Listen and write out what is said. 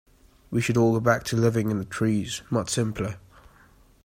We should all go back to living in the trees, much simpler.